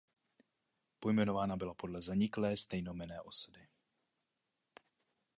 Pojmenována byla podle zaniklé stejnojmenné osady.